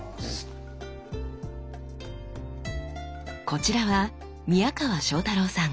こちらは宮川正太郎さん。